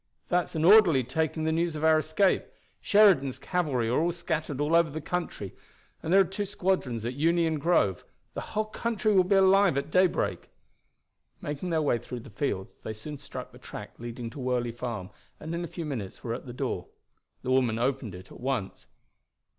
"That's an orderly taking the news of our escape. Sheridan's cavalry are scattered all over the country, and there are two squadrons at Union Grove. The whole country will be alive at daybreak." Making their way through the fields they soon struck the track leading to Worley Farm, and in a few minutes were at the door. The woman opened it at once.